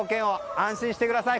安心してください！